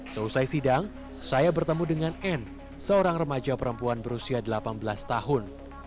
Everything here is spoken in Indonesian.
selesai sidang saya bertemu dengan anne seorang remaja perempuan berusia delapan belas tahun